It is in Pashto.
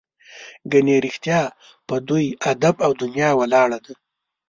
ګنې رښتیا په دوی ادب او دنیا ولاړه ده.